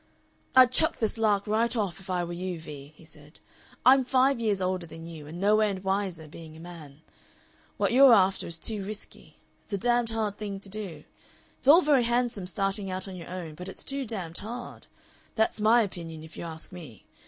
"I'd chuck this lark right off if I were you, Vee," he said. "I'm five years older than you, and no end wiser, being a man. What you're after is too risky. It's a damned hard thing to do. It's all very handsome starting out on your own, but it's too damned hard. That's my opinion, if you ask me.